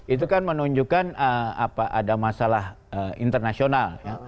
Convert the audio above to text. itu kan menunjukkan ada masalah internasional